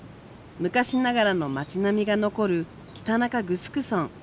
昔ながらの町並みが残る北中城村。